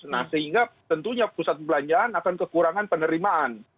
nah sehingga tentunya pusat perbelanjaan akan kekurangan penerimaan